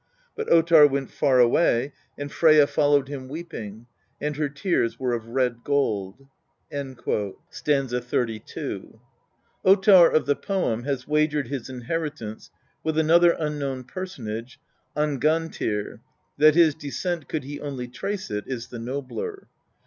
But Ottar went far away, and Freyja followed him weeping, and her tears were of red gold " (st. 32). Ottar of the poem has wagered his inheritance with another unknown personage, Angantyr, that his descent, could he only trace it, is the nobler.